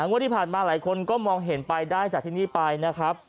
งวดที่ผ่านมาหลายคนก็มองเห็นไปได้จากที่นี่ไปนะครับ